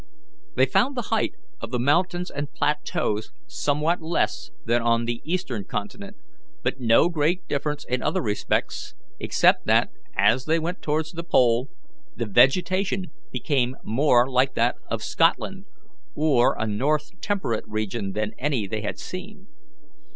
They found the height of the mountains and plateaus somewhat less than on the eastern continent, but no great difference in other respects, except that, as they went towards the pole, the vegetation became more like that of Scotland or a north temperate region than any they had seen.